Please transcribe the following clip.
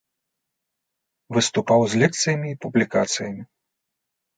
Выступаў з лекцыямі і публікацыямі.